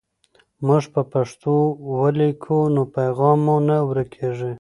موږ په پښتو ولیکو نو پیغام مو نه ورکېږي.